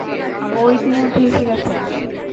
ও ইতোমধ্যে এসে গেছে।